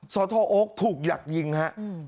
สตโอ๊คถูกหยักยิงครับ